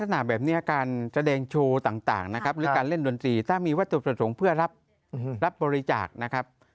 ลักษณะแบบนี้การแสดงโชว์ต่างนะครับหรือการเล่นดนตรีถ้ามีวัตถุประสงค์เพื่อรับบริจาคนะครับ